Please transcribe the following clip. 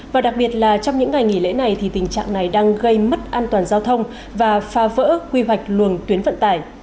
và đặc biệt là trong những ngày nghỉ lễ này thì tình trạng này đang gây mất an toàn giao thông và phá vỡ quy hoạch luồng tuyến vận tải